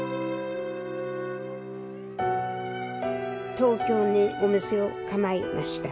東京にお店を構えました。